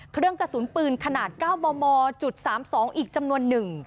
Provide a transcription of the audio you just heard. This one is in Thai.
เครื่องกระสุนปืนขนาด๙มม๓๒อีกจำนวน๑